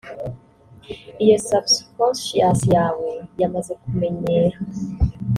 Iyo subconscious yawe yamaze kumenyera